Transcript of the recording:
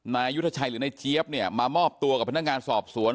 นายยุทธชัยหรือนายเจี๊ยบเนี่ยมามอบตัวกับพนักงานสอบสวน